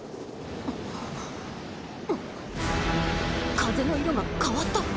風の色が変わった？